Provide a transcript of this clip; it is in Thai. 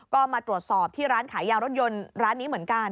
ก็มาตรวจสอบที่ร้านขายยารถยนต์ร้านนี้เหมือนกัน